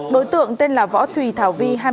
đối tượng tên là võ thùy thảo vi